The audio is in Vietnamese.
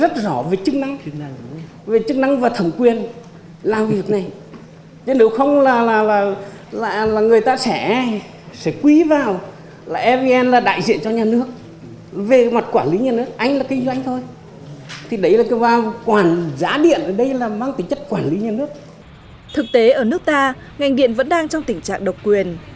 thực tế ở nước ta ngành điện vẫn đang trong tình trạng độc quyền